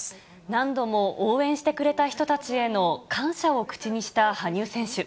何度も応援してくれた人たちへの感謝を口にした羽生選手。